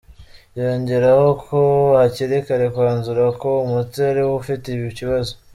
Yongeraho ko hakiri kare kwanzura ko umuti ariwo ufite ikibazo.